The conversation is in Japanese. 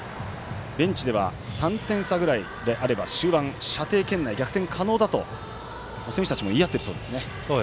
ベンチでは３点差ぐらいであれば終盤、射程圏内、逆転可能だと選手たちも言い合っているそうですね。